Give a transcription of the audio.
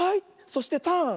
そしてターン！